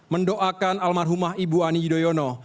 mendoakan almarhumah ibu ani yudhoyono